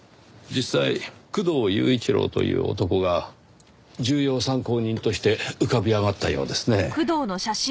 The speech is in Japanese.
実際工藤雄一郎という男が重要参考人として浮かび上がったようですね。